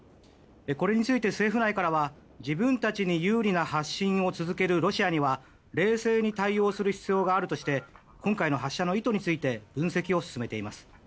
これについて、政府内から自分たちに有利な発信を続けるロシアには冷静に対応する必要があるとして今回の発射の意図について分析を進めています。